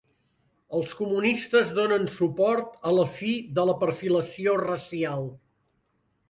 Els comunistes donen suport a la fi de la perfilació racial.